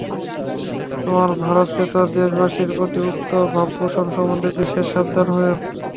তোমরা ভারতেতর দেশবাসীদের প্রতি উক্ত ভাবপোষণ সম্বন্ধে বিশেষ সাবধান হইও।